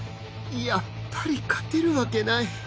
やっぱり勝てるわけない